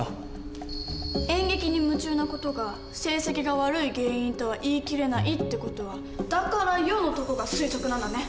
演劇に夢中な事が成績が悪い原因とは言い切れないって事は「だからよ」のとこが推測なんだね。